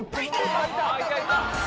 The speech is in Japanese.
あっいた！